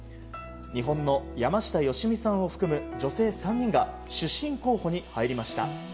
日本の山下良美さんを含む女性３人が主審候補に入りました。